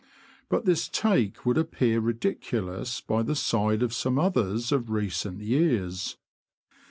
but this take would appear ridiculous by the side of some others of recent years.